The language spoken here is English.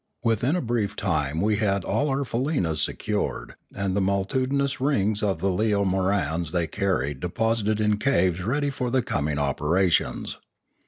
Within a brief time we had all our faleenas secured, and the multitudinous rings of the leomorans they carried deposited in caves ready for the coming opera tions.